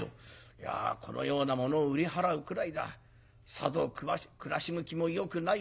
いやこのようなものを売り払うくらいださぞ暮らし向きもよくないのであろうな。